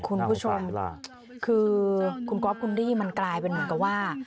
คุณผู้ชมคือคุณก๊อฟคุณรี่มันกลายเป็นเหมือนกับว่า